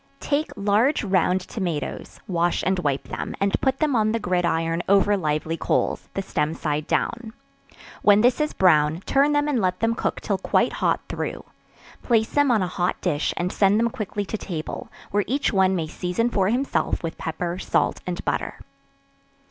Take large round tomatoes, wash and wipe them, and put them on the gridiron over lively coals the stem side down; when this is brown, turn them and let them cook till quite hot through; place them on a hot dish and send them quickly to table, where each one may season for himself with pepper, salt and butter.